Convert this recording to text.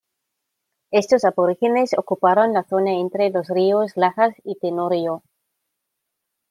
Estos aborígenes ocuparon la zona entre los ríos Lajas y Tenorio.